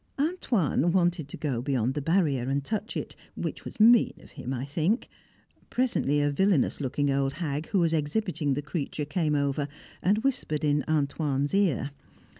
"Antoine" wanted to go beyond the barrier and touch it, which was mean of him, I think. Presently a villainous looking old hag, who was exhibiting the creature, came over, and whispered in "Antoine's" ear.